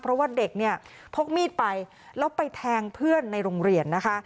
เพราะว่าเด็กเนี่ยพกมีดไปแล้วไปแทงเพื่อนในโรงเรียนนะคะ